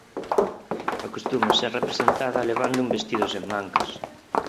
Acostuma ser representada levando un vestido sen mangas.